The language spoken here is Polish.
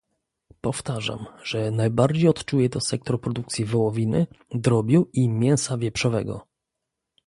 Powtarzam, że najbardziej odczuje to sektor produkcji wołowiny, drobiu i mięsa wieprzowego